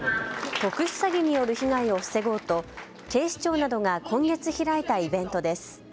特殊詐欺による被害を防ごうと警視庁などが今月開いたイベントです。